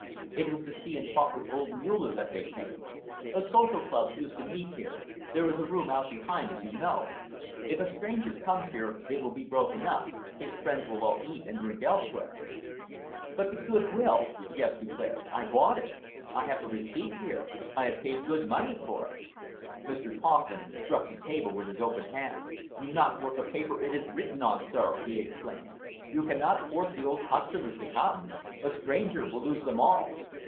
It was to see and talk with old Muller that they came. A social club used to meet here there is a room out behind, as you know. If a stranger comes here, it will be broken up, his friends will all eat and drink elsewhere!" "But the good will," Guest declared, "I bought it! I have the receipt here! I have paid good money for it." Mr. Kauffman struck the table with his open hand. "Not worth the paper it is written on, sir!" he exclaimed. "You cannot force the old customers to come. A stranger will lose them all!"